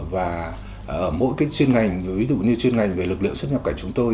và mỗi chuyên ngành ví dụ như chuyên ngành về lực lượng xuất nhập cảnh chúng tôi